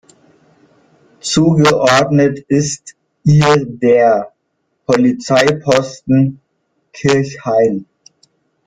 Zugeordnet ist ihr der "Polizeiposten Kirchhain".